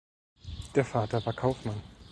Der Vater war Kaufmann.